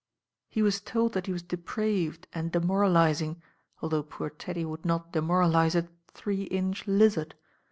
"He was told that he was depraved and demor alising, although poor Teddy would not demoralise a three inch lizard.